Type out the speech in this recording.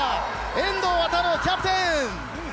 遠藤航、キャプテン。